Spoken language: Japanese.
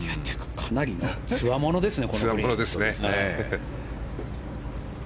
かなりのつわものですよね。